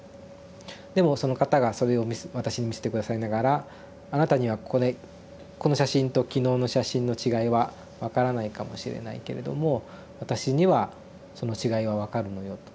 でもその方がそれを私に見せて下さりながら「あなたにはこれこの写真と昨日の写真の違いは分からないかもしれないけれども私にはその違いは分かるのよ」と。